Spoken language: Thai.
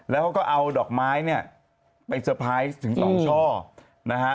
แล้วก็เอาดอกไม้ไปเซอร์ไพรส์ถึง๒ช่อ